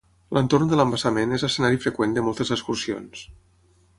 L'entorn de l'embassament és escenari freqüent de moltes excursions.